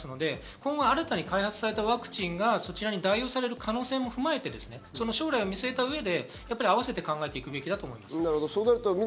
今後、新たに開発されたワクチンがそちらに代用される可能性も踏まえて将来を見据えた上で合わせて考えていくべきだと思います。